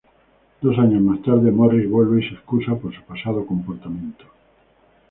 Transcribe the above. Dos años más tarde, Morris vuelve, y se excusa por su pasado comportamiento.